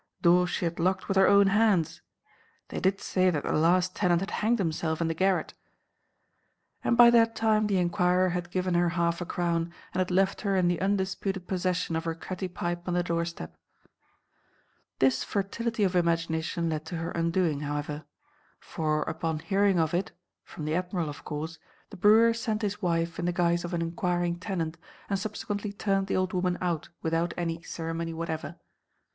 Doors she had locked with her own hands. They did say that the last tenant had hanged himself in the garret. And by that time the enquirer had given her half a crown, and had left her in the undisputed possession of her cutty pipe on the doorstep. This fertility of imagination led to her undoing, however. For upon hearing of it (from the Admiral, of course) the brewer sent his wife in the guise of an enquiring tenant, and subsequently turned the old woman out without any ceremony whatever.